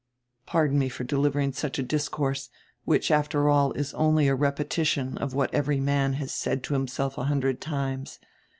Pardon me for delivering such a discourse, which after all is only a repetition of what every man has said to himself a hundred times.